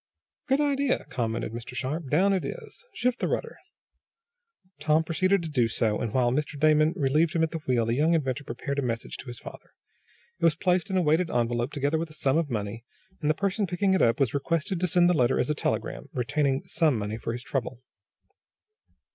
"Good idea," commented Mr. Sharp. "Down it is. Shift the rudder." Tom proceeded to do so, and, while Mr. Damon relieved him at the wheel the young inventor prepared a message to his father. It was placed in a weighted envelope, together with a sum of money, and the person picking it up was requested to send the letter as a telegram, retaining some money for his trouble.